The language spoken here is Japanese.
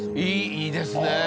いいですよね。